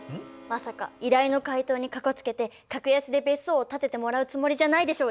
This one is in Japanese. まさか依頼の回答にかこつけて格安で別荘を建ててもらうつもりじゃないでしょうね！